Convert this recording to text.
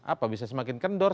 apa bisa semakin kendor